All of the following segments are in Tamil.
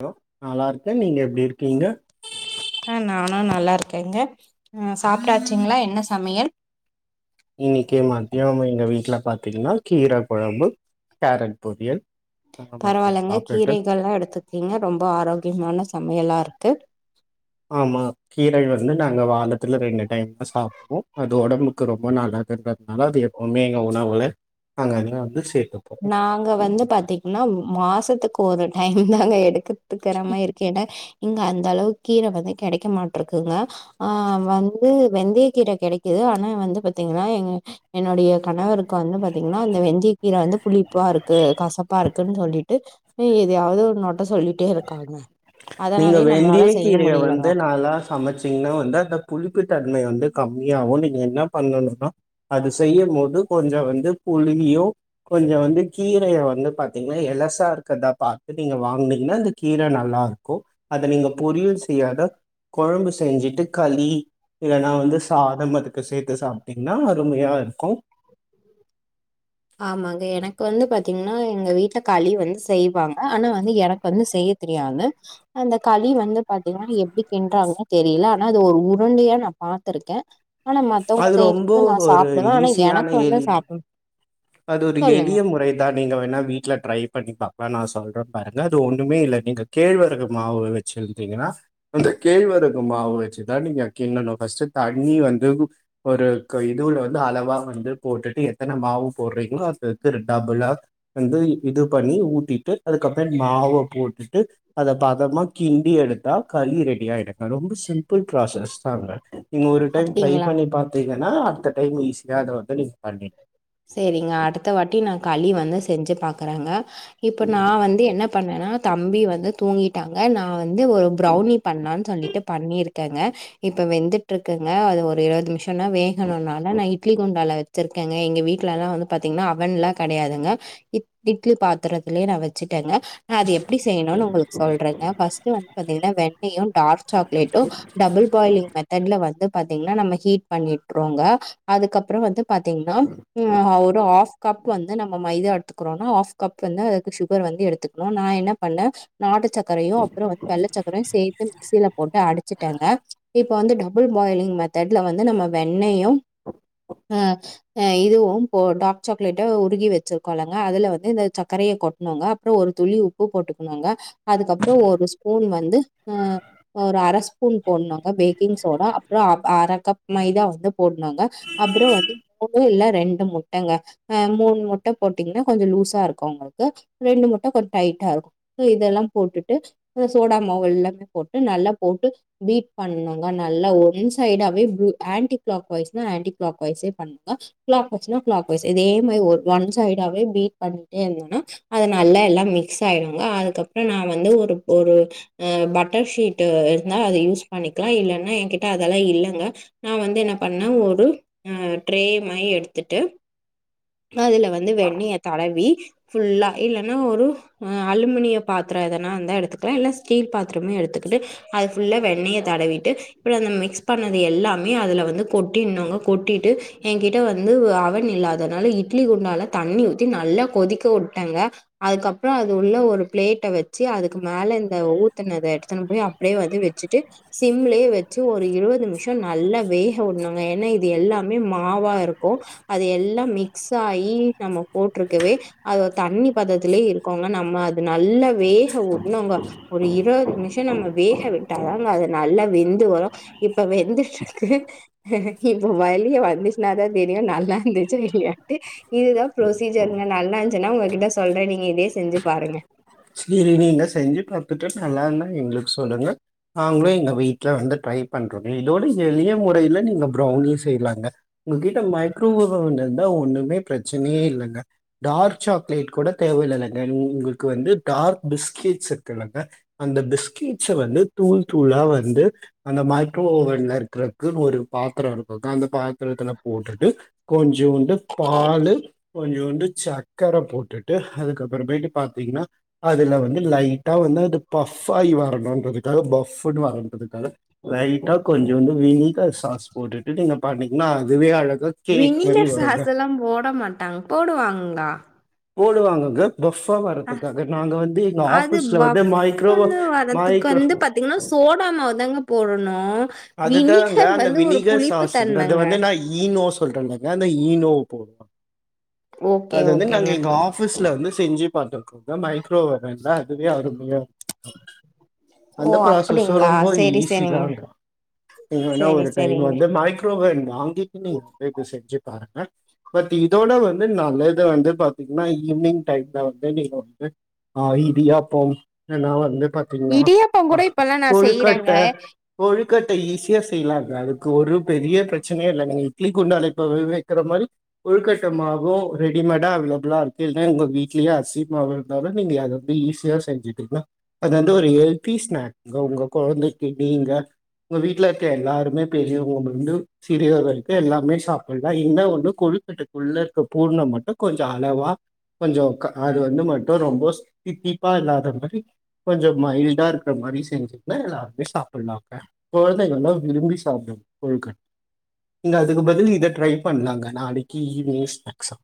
ஹலோ நல்லா இருக்கே நீங்க எப்டி இருக்கீங்க அ நானு நல்லா இருக்கேன்ங்க ம் சாப்ட்டாச்சிங்களா என்ன சமையல் இன்னைக்கு மத்தியம் எங்க வீட்டுல பாத்தீங்கன்னா கீர கொழம்பு கேரட் பொரியல் அந்த மாதிரியா பரவாயில்லங்க சாப்ட்டுட்டு கீரைகள்லா எடுத்துக்கீங்க ரொம்ப ஆரோக்கியமான சமையலா இருக்கு ஆமா கீரை வந்து நாங்க வாரத்தில்ல ரெண்டு டைம் தா சாப்டுவோம் அது ஒடம்புக்கு ரொம்ப நல்லதுன்றதுனால அது எ உண்மையாங்க உணாவுல நாங்க அதா வந்து சேத்தோ நாங்க வந்து பாத்தீங்கன்னா மாசத்துக்கு ஒரு டைம் தாங்க எடுக்கு எடுத்துக்கிரமா இருக்கு ஏன்னா இங்க அந்த அளவுக்கு கீர வந்து கெடக்க மாட்ருக்குங்க அ வந்து வெந்தய கீர கெடைக்குது ஆனா வந்து பாத்திங்ன்னா எங்க என்னுடைய கணவருக்கு வந்து பாத்தீங்ன்னா அந்த வெந்தய கீர வந்து புளிப்பா இருக்கு கசப்பா இருக்குன் சொல்லிட்டு எதயாவது ஒரு நொட்டோ சொல்லிட்டே இருக்காங்க நீங்க அதனாலயே நம்மளால வெந்திய செய்ய கீரய முடியலங்க வந்து நல்லா சமைச்சீங்ன்னா வந்து அந்த புளிப்பு தன்மைய வந்து கம்மியாவு நீங்க என்ன பண்ணனுனா அது செய்யு போது கொஞ்சோ வந்து புளியு கொஞ்சோ வந்து கீரய வந்து பாத்தீங்ன்னா எலசா இருக்றதா பாத்து நீங்க வாங்கனீங்ன்னா அந்த கீர நல்லா இருக்கு கோ அத நீங்க பொரியல் செய்யாத கொழம்பு செஞ்சுட்டு களி இல்லனா வந்து சாதம் அதுக்கு சேத்து சாப்ட்டீங்கன்னா அருமயா இருக்கு ஆமாங்க எனக்கு வந்து பாத்தீங்ன்னா எங்க வீட்ல களி வந்து செய்வாங்க ஆனா வந்து எனக்கு வந்து செய்ய தெரியாம அந்த களி வந்து பாத்தீங்ன்னா எப்டி கின்றாங்கன்னு தெரில ஆனா அது ஒரு உருண்டயா நா பாத்துருக்கே ஆனா மத்தவங்க அது ரொம்ப செய்யுபோது நா ஒரு சாப்டுவ ஆனா ஈஸியான எனக்கு வந்தா எளி சாப்ட அது ஒரு எளிய முறை நீங்க வேனா வீட்ல ட்ரை பண்ணி அக்கா பாக்லா நா சொல்றே பாருங்க அது ஒண்ணுமே இல்ல நீங்க கேழ்வரகு மாவு வெச் வெச்சுருக்கீங்களா அந்த கேழ்வரகு மாவு வச்சுதா நீங்க கின்டனு ஃபஸ்ட் தண்ணி வந்து ஒரு கு இதுல வந்து அளவா வந்து போட்டுட்டு எத்தன மாவு போடுறீங்ளா அத எடுத்து டபுளா வந்து இது பண்ணி ஊத்திட்டு அதுக்கப்றோ மாவ போட்டுட்டு அத பதமா கிண்டி எடுத்தா களி ரெடியாய்டுங்க ரொம்ப சிம்பிள் ப்ராசஸ் தாங்க நீங்க ஒரு டைம் ட்ரை அப்டிங்களா? பண்ணி பாத்தீங்கன்னா அடுத்த டைம் ஈஸியா அத வந்து நீங்க பண்ணி செரிங்க அடுத்த வாட்டி நா களி வந்தா செஞ்சு பாக்குறேங்க இப்ப நா வந்து என்ன பண்ணேன்னா தம்பி வந்து தூங்கிட்டாங்க நா வந்து ஒரு ப்ரௌனி பண்லான் சொல்லிட்டு பண்ணியிருக்கேங்க இப்ப வெந்துட்ருக்குங்க அது ஒரு இருவது மிஷன்னா வேகணுனால நா இட்லி குண்டால வெச்சிருக்கேங்க எங்க வீட் ட்லலா வந்து பாத்தீங்னா அவன்லா கெடையாதுங்க இட் இட்லி பாத்தரத்லியே நா வெச்சுட்டேங்க அது எப்டி செய்யணுனு உங்ளுக் சொல்றங்க ஃபர்ஸ்ட்டு வந்து பாத்தீங்கனா வெண்ணையு டார்க் சாக்லேட்டு டபுள் பாய்லிங் மெத்தேட்ல வந்துப் பாத்தீங்னா நம்ம ஹீட் பண்ணிட்றோங்க அதுக்கப்றோ வந்து பாத்தீங்னா ம் அ ஒரு ஆஃப் கா ஆக் வந்து நம்ம மைதா எட்த்துக்றோன்னா ஆஸ் கப் வந்து அதுக்கு சுகர் வந்து எடுத்துக்ணு நா என்னப் பண்ணே நாட்டுச் சக்கரயு அப்றோ வந்து வெள்ளச் சக்கரயு சேத்து மிக்சில போட்டு அடிச்சிட்டேங்க இப் ப்ப வந்து டபுள் பாயிலிங் மெத்தேட்ல வந்து நம்ம வெண்ணையு அ அ இதுவும் போ டாக் சாக்லேட்ட உருகி வெச்சிருக்கோலங்க அதுல வந்து இந்த சக்கரய கொட்ன்னுங்க அப்றோ ஒரு துளி உப் பூ போட்டுக்குணுங்க அதுக்கப்றோ ஒரு ஸ்பூன் வந்து அ அ ஒரு அர ஸ்பூன் போன்னுங்க பேக்கிங் சோடா அப்றோ அப் அர கப் மைதா வந்து போன்னுங்க அப்றோ வந்து மூனு இல்ல ரெண்டு முட்டங்க அ மூன் முட்ட போட்டீங்னா கொஞ்சோ லூஸா இருக்கு ஒங்கள்க்கு ரெண்டு முட்ட கொஞ் டைட்டாருக்கு அ இதெல்லாம் போட்டுட்டு அ சோடா மாவு எல்லாமே போட்டு நல்லா போட்டு பீட் பண்ணுங்க நல்லா ஒன் சைடாவே பு ஆன்டி கிளாக் வைஸ்னா ஆன்டி கிளாக் வைசே பண் கா கிளாக் வெச்னா கிளாக் வைஸ் இதே மாரி ஒரு ஒன் சைடாவே பீட் பண்ணிட்டே இந்திங்னா அது நல்லா எல்லாம் மிக்ஸ் ஆயிருங்க அதுக்கப்றோ நா வந்து ஒருப் ஒரு அ பட்டர் ஷீட்டு இருந்தா அது யூஸ் பண்ணிக்லா இல்லனா எங்கிட்ட அதெல்லா இல்லங்க நா வந்து என்னப் பண்ண ஒரு அ ட்ரே மாயி எடுத்துட்டு அதுல வந்து வெண்ணையத் தடவி ஃபுல்லா இல்லனா ஒரு அ அலுமினிய பாத்ரோ எதனா இந்தா எடுத்துக் க்லா இல்ல ஸ்டீல் பாத்ரமு எடுத்துகுட்டு அதுச் ஃபுல்லா வெண்ணையத் தடவிட்டு இப்ற அந்த மிக்ஸ் பண்ணது எல்லாமே அதுல வந்து கொட்டின்னுங்கக் கொட்டிட்டு எங்கிட்ட வந்து வு அவன் இல்லாதனால இட்லி குண்டால தண்ணி ஊத்தி நல்லா கொதிக்க வுட்டங்க அதுகப்றோ அது உள்ள ஒரு பிளேட்ட வெச்சி அதுக்கு மேல இந்த ஊத்துனத எடுத்துனு போயி அப் ப்டே வந்து வெச்சுட்டு சிம்லே வெச்சு ஒரு இருவது மிஷோ நல்லா வேக வுன்னுங்க என்ன இது எல்லாமே மா மாவா இருக்கு அத எல்லாம் மிக்சாயி நம்ம போட்ருக்கவே அதவே தண்ணிப் பதத்லே இருக்கோங்க நம்ம அது நல்ல வேக வுட்னுங்க ஒரு இருவது மிஷ் ஷ நம்ம வேக விட்டாதாங்க அது நல்லா வெந்து வரு இப்ப வெந்துட்ருக்கு இப்ப வழிய வந்துச்னாதாந் தெரியு நல்லார்ந்துச்சா இல்லியான்ட்டு இதுதாம் ப்ரொசீஜருங்க நல்லாஞ்ச்சுனா உங்ககிட்ட சொல்றே நீங்க இதியே செஞ்சு பாருங்க சிரி நீங்க செஞ்சு பாத்துட்டு நல்லார்ந்தா எங்ளுக் சொல்லுங்க நாங்ளு எங்க வீட்ல வந்து ட்ரைப் பண்றோங்க இதோட எளிய முறைல நீங்க பிரௌனி செய்லாங்க உங்ககிட்ட மைக்ரோவேவன்ருந்தா ஒன்னுமே பிரச்சனையே இல்லங்க டார்க் சாக்லேட் கூட தேவல்லலங்க உங்குள்க்கு வந்து டார்க் பிஸ்கேட்ஸ் இருக்குலங்க அந்த பிஸ்கேட்ஸ வந்து தூள் தூளா வந்து அந்த மைக்ரோ ஓவன்ல இருக்றக் குன் ஒரு பாத்ரோ இருக்குது அந்த பாத்ரத்துலப் போட்டுட்டு கொஞ்சூண்டுப் பாலு கொஞ்சூண்டு சக்கரப் போட்டுட்டு அதுக்கப்பறமேட்டு பாத்தீங்னா அதுல வந்து லைட்டா வந்து அது பஃப்பாயி வரணுன்றதுக்காக பஃப்புனு வரன்றதுக்காக லைட்டா கொஞ்சூண்டு வினிகர் சாஸ் போட்டுட்டு நீங்க பண்ணீங்னா அதுவே அழகாக் வினிலர் சாஸ்சுலாம் போட மாட்டாங்க போடுவாங்ளா போடுவாங்கங்க பஃப்பா ஆ வரத்துக்காகன் கோ வந்து எங்க அது ஆபீஸ்ல வந்து மைக்ரோவ் பஃப்ன்னு வரதுக்கு மைக்ரோ வந்து பாத்தீங்கன்னா சோடா மாவு தாங்க போடணு அதுதாங்க வினிகர் அந்த வந்து ஒரு வினிகர் புளிப்பு சாஸ்ன்றை தன்மைங்க வந்து நா ஈனோ சொல்றங்க அந்த ஈனோவ போட்னோ ஓகே அது வந்து நாங்க ஓகேங்க எங்க ஆ ஆபீஸ்ல வந்து செஞ்சு பார்த்திருக்கோங்க மைக்ரோவேன்ல அதுவே அருமையா இருந் ஓ அந்த ப்ராசஸ் அப்படிங்களா ரொம்ப செரி ஈஸி செரிங்க தான்ங்கா நீங்க வேணா செரி ஒரு டைம் செரிங்க வந்து மைக் மைக்ரோவன் வாங்கிட்டு நீங்க வீட்ல செஞ்சு பாருங்க பட் இதோட வந்து நல்லது வந்து பாத்தீங்கன்னா ஈவி்னிங் டைம்ல வந்து நீங்க ஆ இடியாப்பெ இன்னூ நா வந்து பாத் ன்னா இடியாப்பம் ஆ கூட இப்பல்லா நா செய்யறேங்க கொழுக்கட்ட கொழுக்கட்ட ஈஸியா செய்யலாங்க அதுக்கு ஒரு பெரிய பிரச்சனையே இல்லைங்க இட்லி குண்டான்ல்லே இப்ப வோவ் வெக்கிற மாரி கொழுக்கட்டமாவோ ரெடிமேடா அவைலபிளா இருக்கு இல்லா உங்க வீட்லயே அரிசி மாவு ன்னாலூம் அதல வந்து ஈஸியா செஞ்சிக்களா அது வந்து ஒரு ஏல் பீஸ்ண்ணே உங்க உங்க குழந்தைக்கு நீங்க உங்க வீட்டுல இருக்ர எல்லாருமே பெரியவங்களுர்ந்து சிறியவர்க வரைக்கோ எல்லாருமே சாப்பிட்லா இன்னா ஒன்னு கொழுக்கெட்டுக்குள்ள இருக்க பூர்ணம் மட்டும் கொஞ்சோ அளவா கொஞ்சோ க அது வந்து மட்டூ ரொம்ப தித்திப்பா இல்லாத மாரி கொஞ்சோ மைல்டா இருக்கிற மாரி செஞ்சுட்டுன்னா எல்லாருமே சாப்பிட்லாங்க குழந்தைக்கலூ விரும்பி சாப்பிடூ கொழுக்கட் இந்த அதுக்கு பதில் இத ட்ரை பண்லாங்க நாளைக்கு ஈவினிங் ஸ்நேக்ஸா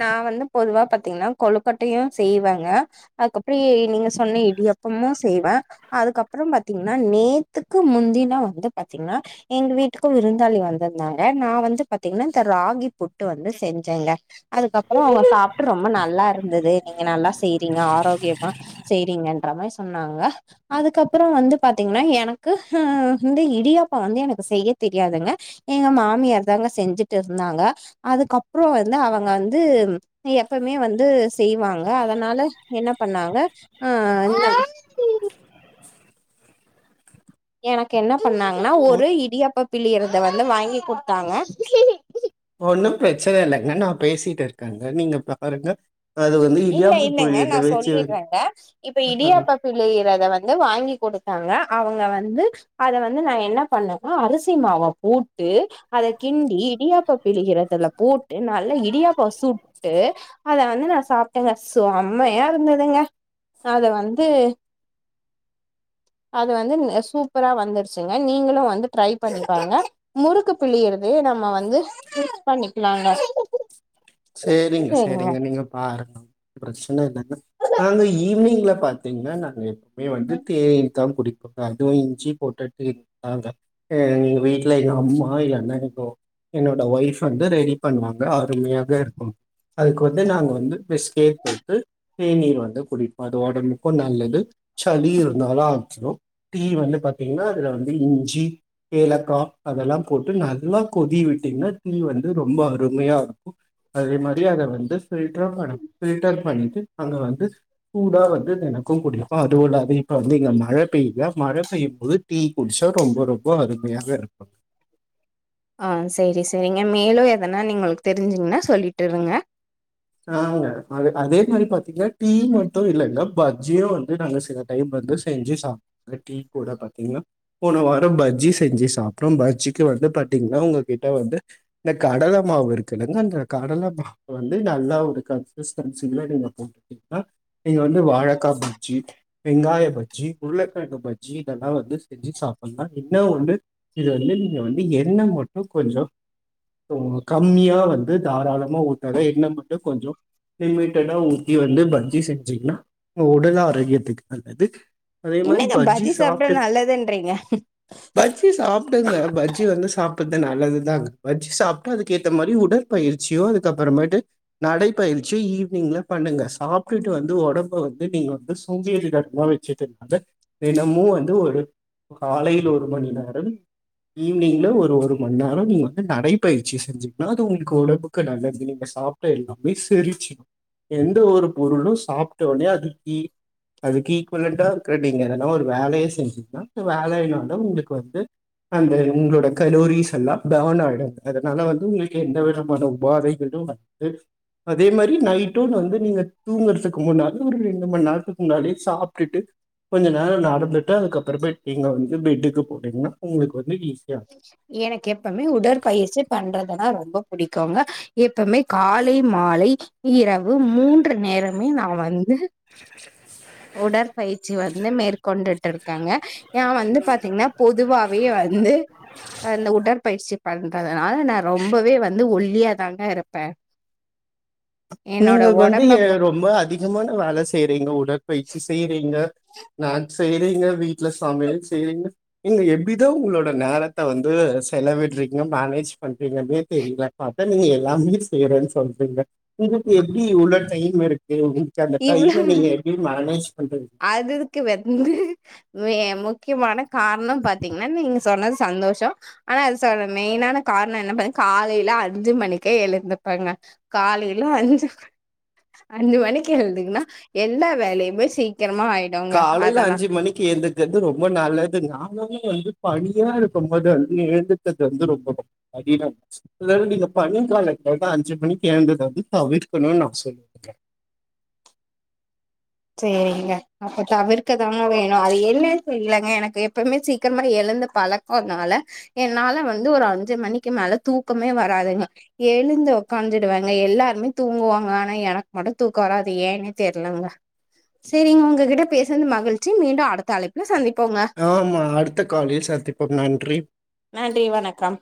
நா வந்து பொதுவா பாத்தீங்ன்னா கொழுக்கட்டையூ செய்வேங்க அதுக் அப்புறோ நீங்க சொன்ன இடியப்பமூ செய்வே அதுக்கு அப்புறம் பாத்தீங்ன்னா நேத்துக்கு முந்தினோ வந்து பாத்தீங்ன்னா எங்க வீட்டுக்கூ விருந்தாளி வந்திருந்தாங்க நா வந்து பாத்தீங்கன்னா இந்த ராகி புட்டு வந்து செஞ்சேங்க அதுக்கு அப்புறம் அவங்க சாப்ட்டு ரொம்ப நல்லா இருந்தது நீங்க நல்லா செய்றீங்க ஆரோக்கியமா செய் அப்படிங்குன்ற மாரி சொன்னாங்க அதுக்கு அப்புறம் வந்து பாத்தீங்ன்னா எனக்கு ஹூ இந்த இடியாப்போ வந்து எனக்கு செய்ய தெரியாதுங்க எங்க மாமியார் தாங்க செஞ்சுட்டு இருந்தாங்க அதுக்கு அப்புறோ வந்து அவங் அவங்க வந்து எப்பவ்மே வந்து செய்வாங்க அதனால என்ன பண்ணாங்க அந்த எனக்கு என்ன பண்ணாங்கன்னா ஒரு இடியப்ப பிளியரத வந்து வாங்கி கொடுத்தாங்க ஒண்ணூ பிரச்சனை இல்லங்க நான் பேசிட்டு இருக்கேங்க நீங்க பாருங்க அது வந்து இல்ல இடியாப்பு இல்லங்க நா புழியத்தை வச்சு சொல்லிற்றேங்க இப்ப இடியாப்பம் பிளியறத வந்து வாங்கி கொடுத்தாங்க அவங்க வந்து அத வந்து நான் என்ன பண்ணுவோ அரிசி மாவ போட்டு அத கிண்டி இடியாப்ப பிளியறதுல போட்டு நல்லா இடியாப்போ சுட்டு அத வந்து நான் சாப் ஏங்க செம்மையா இருந்ததுங்க அத வந்து அது வந்து நீங்க சூப்பரா வந்துருச்சுங்க நீங்களூ வந்து ட்ரை பண்ணிப்பாருங்க முறுக்கு பிழியறது நம்ம வந்து செட் பண்ணிக்கலாங்க சேரிங்க சரிங்க நீங்க பாருங்க பிரச்சனை இல்ன்னா நாங்க ஈவினிங்ல பாத்தீங்கன்னா நாங்க எப்பவுமே வந்து தேநீர் தா குடிப் அதுவூ இஞ்சி போட்ட டீ தாங்க எங்க வீட்டுல எங்க அம்மா இல்லன்னா எங்கோ என்னோட ஒய்ஃப் வந்து ரெடி பண்ணுவாங்க அருமையாக இருக் அதுக்கு வந்து நாங்க வந்து பெஸ் கேத் கொடுத்து தேநீர் வந்து குடிப்ப அது ஒடம்புக்கு நல்லது சளி இருந்தாலு அழ்ச்சிடு தீ வந்து பாத்தீங்கன்னா அதுல வந்து இஞ்சி ஏலக்கா அதெல்லா போட்டு நல்லா கொதி விட்டீங்கன்னா டீ வந்து ரொம்ப அருமையா இருக்கு அதே மாதிரி அத வந்து பில்டரு பண்ணு பில்டர் பண்ணிட்டு அங்க வந்து சூடா வந்து எனக்கு குடிப்ப அதுவுல்லது இப்ப வந்து இங்க மழ பெய்யல மழ பெய்யும் போது டீ குடிச்சா ரொம்ப ரொம்ப அருமையாக இருக்கு ஆ செரி செரிங்க மேலு எதனா நீங்களுக்கு தெரிஞ்சிங்கன்னா சொல்லிட்டுருங்க ஆங்க அ அதே மாதிரி பாத்தீங்கன்னா டீ மட்டு இல்லங்க பஜ்ஜியு வந்து நாங்க சேதோ டைம் வந்து செஞ்சு சாப்ட்ரு டீ கூட பாத்தீங்கன்னா போன வாரோ பஜ்ஜி செஞ்சு சாப்டோ பஜ்ஜிக்கு வந்து பாத்தீங்ன்னா உங்ககிட்ட வந்து இந்த கடல மாவு இருக்குலங்க அந்த கடல மாவு வந்து ந நல்ல ஒரு கன்ஸ்டன்டனங்சிங்ல நீங்க போட்டிட்ங்கன நீங்க வந்து வாழக்கா பஜ்ஜி வெங்காய பஜ்ஜி உருளக்கிழங்கு பஜ்ஜி இதெல்லா வந்து செஞ்சு சாப்பிட்லா இன்ன வந்து இது வந்து நீங்க வந்து என்ன மட்டு கொஞ்சம் உங்ளுக் கம்மியா வந்து தாராளமா ஊத்தாத என்ன மட்டு கொஞ்சோ லிமிட்டடா ஊட்டி வந்து பஜ்ஜி செஞ்சீங்கன்னா உடல் ஆரோக்கியத்துக்கு நல்லது அதே மாதிரி என்னங்க பஜ்ஜி சாப்டா சாப்பிட்டு நல்லதுன்றீங்க பஜ்ஜி சாப்புடுங்க பஜ்ஜி வந்து சாப்புட்து நல்லதுதாங்க பஜ்ஜி சாப்பிட்டா அதுக்கு ஏத்த மாரி உடல் பயிற்சியோ அதுக்கப்புறமேட்டு நடைப்பயிற்சி ஈவினிங்ல பண்ணுங்க சாப்ட்டுட்டு வந்து உடம்ப வந்து நீங்க வந்து சோம்பிஏரிகள் தனமா வச்சி த த தினமு வந்து ஒரு காலையில ஒரு மண் நேரம் ஈவினிங்ல ஒரு ஒரு மண் நேரோ நீங்க வந்து நடைப்பயிற்சி செஞ்சுங்கன்னா அது உங்களுக்கு உடம்புக்கு நல்லது நீங்க சாப் ச எல்லாமே செரிச்சிடு எந்த ஒரு பொருளு சாப்ட்டோனே அதுக் கி அதுக்கு ஈக்குவலட்டா இருக்கிற நீங்க எனா ஒரு வேலயே செஞ்சீங்கன்னா இந்த வேலையனால உங்களுக்கு வந்து அந்த உங்களோட கலோரிஸ் எல்லா பேர்ன் ஆகிடு அதனால வந்து உங்களுக்கு எந்த விதமான உபாதைகளு வர லேடீஸு அதே மாதிரி நைட்டோனு வந்து நீங்க தூங்குறதுக்கு முன்னாலே ஒரு ரெண்டு மண் நேரத்துக்கு முன்னாலே சாப்ட்டுட்டு கொஞ்ச நேரோ நடந்துட்டு அதுக்கப்புறமேட் நீங்க வந்து பெட்டுக்கு போனிங்கன்னா உங்களுக்கு வந்து ஈஸியா எனக்கு எப்பவுமே உடற்பயிற்சி பண்றதுத ரொம்ப புடிக்கோங்க எப்பவுமே காலை மாலை இரவு மூன்று நேரமே நா வந்து உடற்பயிற்சி வந்து மேற்கொண்டுட்டு இருக்கங்க ஏ வந்து பாத்தீங்ன்னா பொதுவாவே வந்து அந்த உடற்பயிற்சி பண்றதுனால நா ரொம்பவே வந்து ஒல்லியாதாங்க இருப்பே என்னோட நீங்க வந்து ஒடம்ப பா ரொம்ப அதிகமான வேலை செய்றீங்க உடற்பயிற்சி செய்றீங்க நான் செய்றீங்க வீட்டுல சமையல் செய்றீங்க நீங்க எப்டிதா உங்களோட நேரத்த வந்து செலவிட்டுறீங்க மேனேஜ் பண்றீங்கன்னே தெரியல பாத்தா நீங்க எல்லாமே செய்றேன்னு சொல்றீங்க உங்களுக்கு எப்டி இவ்ளோ டைம் இருக்கு உங்களுக்கு அந்த இவ்ளோ டைம நீங்க எப்படி மேனேஜ் பண்றது அதுக்கு வந்து மே மு முக்கியமான கார்ணோ பாத்தீங்ன்னா நீங்க சொன்ன சந்தோஷோ ஆனா அது சொ மெயின் ஆன காரணோ என்ன பண்ண காலையில அஞ்சு மணிக்கே எழுந்துப்பேங்க காலையில அஞ்சு அஞ்சு மணிக் கி எழுதுகின்னா எல்லா வேலையுமே சீக்கிரமா ஆயி காலையில அஞ்சு மணிக்கு எந்து கிறது வந்து ரொம்ப நல்லது நாங்களு வந்து பணியா இருக்கு போது வந்து எழுந்துர்கது வந்து ரொம்ப அப்டினா அத நீங்க பனி காலத்துல தா அஞ்சு மணி எழுந்திரிக்குறத வந்து தவிர்க்குணுனு நா சொல்லுவே சேரிங்க அப்ப தவிர்க்கதாங்க வேணு அது என்னன்னு தெரியலங்க எனக்கு எப்பவுமே சீக்கிரமா எழுந்து பழக் அதனால என்னால வந்து ஒரு அஞ்சு மணிக்கு மேல தூக்கமே வராதுங்க எழுந்து உக்காந்துடுவேங்க எல்லாருமே தூங்குவாங்க ஆனா எனக்கு மட்டு தூக்கோ வராது ஏனே தெர்லங்க செரிங்க உங்ககிட்ட பேசினது மகிழ்ச்சி மீண்டு அடுத்த அழப்புல சந்திப்போங்க ஆமா அடுத்த காலில் சந்திப்போம் நன்றி நன்றி வணக்கம்